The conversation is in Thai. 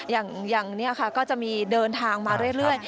อย่างนี้ค่ะก็จะมีเดินทางมาเรื่อย